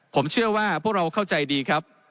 ผมเชื่อว่าพวกเราเข้าใจดีครับ